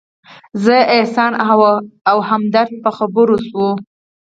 زه، احسان او همدرد په خبرو شولو.